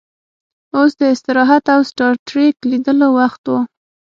اوس د استراحت او سټار ټریک لیدلو وخت و